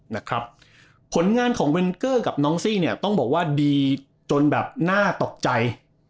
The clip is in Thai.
นะครับผลงานของเวนเกอร์กับน้องซี่เนี่ยต้องบอกว่าดีจนแบบน่าตกใจ